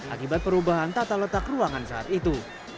akibat perubahan tata letak ruangan saat itu